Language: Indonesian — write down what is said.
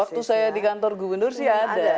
waktu saya di kantor gubernur sih ada